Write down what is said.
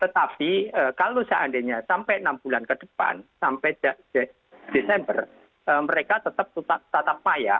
tetapi kalau seandainya sampai enam bulan ke depan sampai desember mereka tetap payah